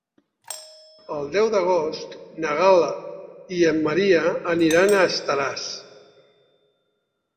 El deu d'agost na Gal·la i en Maria aniran a Estaràs.